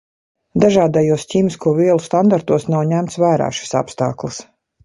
Dažādajos ķīmisko vielu standartos nav ņemts vērā šis apstāklis.